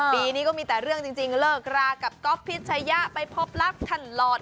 ปีนี้ก็มีแต่เรื่องจริงเลิกรากับก๊อฟพิชยะไปพบรักท่านหลอด